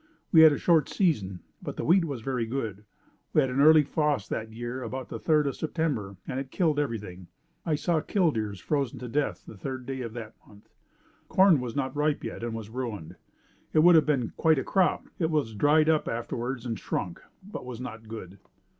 We had a short season, but the wheat was very good. We had an early frost that year about the third of September and it killed everything. I saw killdeers frozen to death the third day of that month. Corn was not ripe yet and was ruined. It would have been quite a crop. It was dried up afterwards and shrunk, but was not good.